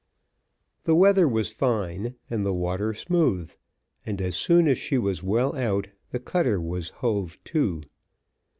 The weather was fine, and the water smooth, and as soon as she was well out, the cutter was hove to.